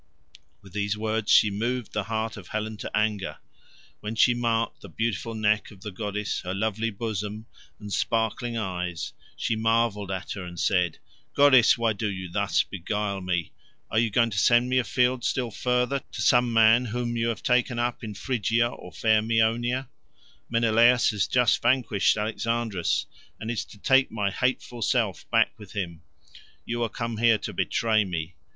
With these words she moved the heart of Helen to anger. When she marked the beautiful neck of the goddess, her lovely bosom, and sparkling eyes, she marvelled at her and said, "Goddess, why do you thus beguile me? Are you going to send me afield still further to some man whom you have taken up in Phrygia or fair Meonia? Menelaus has just vanquished Alexandrus, and is to take my hateful self back with him. You are come here to betray me.